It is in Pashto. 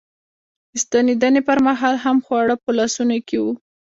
د ستنېدنې پر مهال هم خواړه په لاسونو کې و.